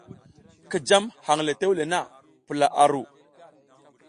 Ki jam hang le tewle na, pula a ru.